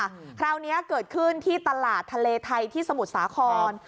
คราวนี้เกิดขึ้นที่ตลาดทะเลไทยที่สมุทรสาคร